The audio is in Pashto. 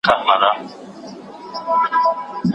پر هر پانوس چي بوراګانو وو مقام نیولی